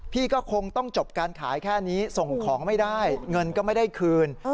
ก็คงต้องจบการขายแค่นี้ส่งของไม่ได้เงินก็ไม่ได้คืน